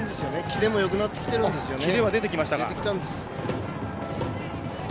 キレもよくなってきてるんですよね。